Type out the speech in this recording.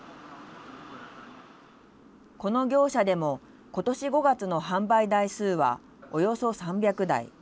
この業者でも今年５月の販売台数は、およそ３００台。